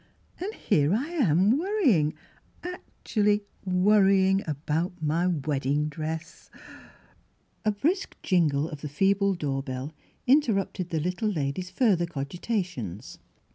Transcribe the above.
" And here I am worrying — actually worrying about my wedding dress !" A brisk jingle of the feeble door bell in terrupted the little lady's further cogita tions.